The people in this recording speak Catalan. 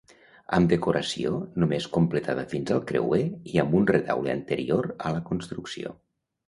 Amb decoració només completada fins al creuer i amb un retaule anterior a la construcció.